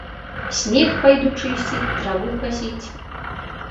Снег пайду чысціць, траву касіць.